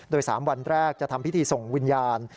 โดย๓วันแรกจะทำพิธีส่งวิญญาณ